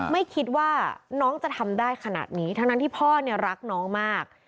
ไม่คิดว่าน้องจะทำได้ขนาดนี้ทั้งนั้นที่พ่อเนี่ยรักน้องมาก